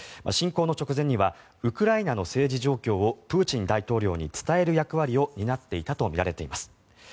侵攻の直前にはウクライナの政治状況をプーチン大統領に伝える役割を担っていたとみられています。